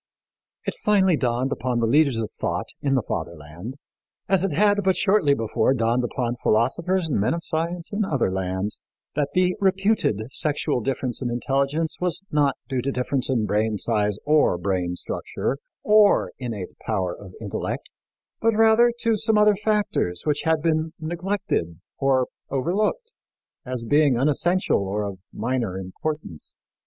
It finally dawned upon the leaders of thought in the Fatherland, as it had but shortly before dawned upon philosophers and men of science in other lands, that the reputed sexual difference in intelligence was not due to difference in brain size or brain structure, or innate power of intellect, but rather to some other factors which had been neglected, or overlooked, as being unessential or of minor importance.